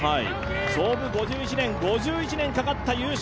創部５１年、５１年かかった優勝。